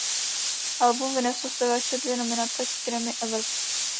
Album vyneslo zpěvačce dvě nominace Grammy Awards.